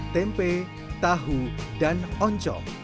tempe tahu dan oncom